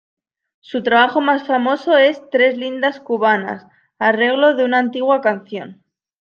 Su trabajo más famoso es "Tres lindas cubanas", arreglo de una antigua canción.